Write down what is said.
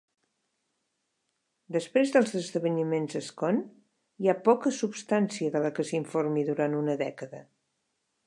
Després dels esdeveniments a Scone, hi ha poca substància de la que s'informi durant una dècada.